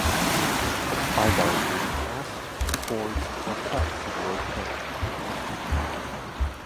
Eyebars may be cast, forged, or cut from rolled plate.